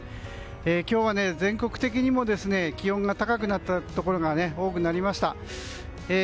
今日は全国的にも気温が高くなったところが多くなりました。